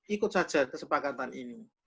ikut saja kesepakatan ini